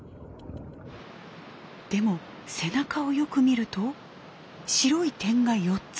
でも背中をよく見ると白い点が４つ。